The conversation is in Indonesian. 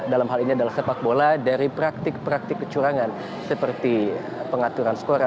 dalam hal ini adalah sepak bola dari praktik praktik kecurangan seperti pengaturan skor